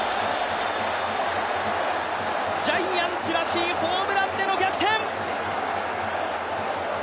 ジャイアンツらしいホームランでの逆転！